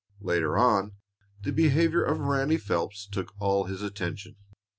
Later on, the behavior of Ranny Phelps took all his attention.